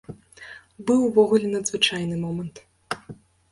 Быў увогуле надзвычайны момант.